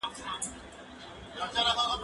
مرسته د زهشوم له خوا کيږي،